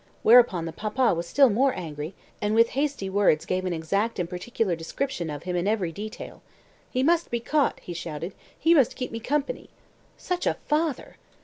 Whereupon the papa was still more angry, and with hasty words gave an exact and particular description of him in every detail. 'He must be caught,' he shouted, 'he must keep me company.' Such a father!"